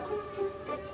bukan orang tua bodoh